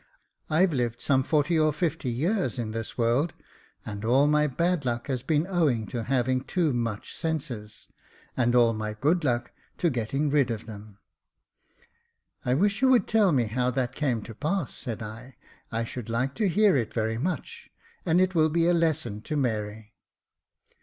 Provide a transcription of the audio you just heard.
I've lived some forty or fifty years in this world, and all my bad luck has been owing to having too much senses, and all my good luck to getting rid of them." " I wish you would tell me how that came to pass," said I J *' I should like to hear it very much, and it will be a lesson to Mary."